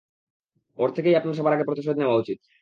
ওর থেকেই আপনার সবার আগে প্রতিশোধ নেওয়া উচিত।